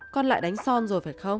con lại đánh son rồi phải không